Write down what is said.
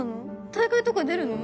大会とか出るの？